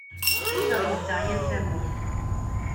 Cceṛ yezdeɣ yal tamurt.